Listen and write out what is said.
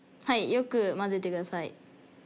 よく混ぜてください。